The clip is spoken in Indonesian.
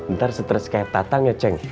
ntar stres kaya tatang ya ceng